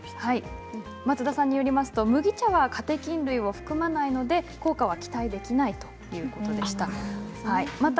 松田さんによると、麦茶はカテキン類を含まないので効果は期待できないということでした。